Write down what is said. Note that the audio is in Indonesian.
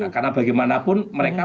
karena bagaimanapun mereka